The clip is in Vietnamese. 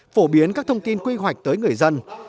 phổ biến các thông tin quy hoạch tới người dân